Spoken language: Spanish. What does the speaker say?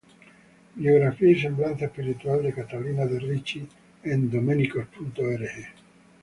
Biografía y semblanza espiritual de Catalina de Ricci en Dominicos.org